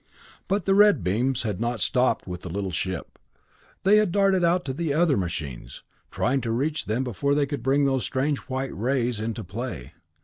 But the red beams had not stopped with the little ship; they had darted out to the other machines, trying to reach them before they could bring those strange white rays into play.